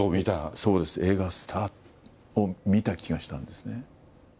そうです、映画スターを見た気がしたんですね。